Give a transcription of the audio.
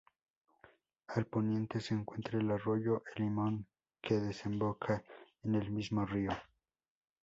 Al poniente se encuentra el arroyo El Limón que desemboca en el mismo río.